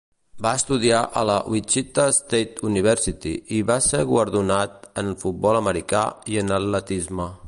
Va estudiar a la Wichita State University i va ser guardonat en futbol americà i en atletisme.